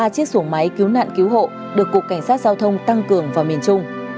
ba chiếc xuồng máy cứu nạn cứu hộ được cục cảnh sát giao thông tăng cường vào miền trung